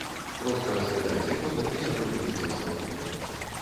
Проста разглядайце фота і атрымлівайце асалоду.